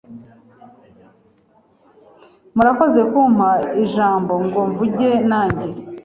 Murakoze kumpa ijambongo mvuge nanjye.